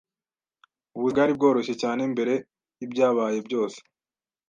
Ubuzima bwari bworoshye cyane mbere yibyabaye byose.